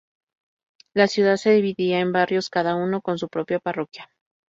La ciudad se dividía en barrios, cada uno con su propia parroquia.